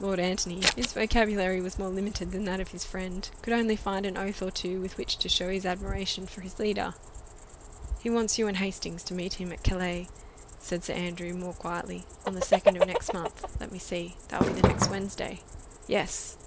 Lord Antony, whose vocabulary was more limited than that of his friend, could only find an oath or two with which to show his admiration for his leader. "He wants you and Hastings to meet him at Calais," said Sir Andrew, more quietly, "on the 2nd of next month. Let me see! that will be next Wednesday." "Yes."